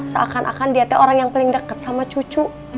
seakan akan dia teh orang yang paling deket sama cucu